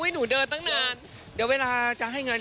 หนูเดินตั้งนานเดี๋ยวเวลาจะให้เงิน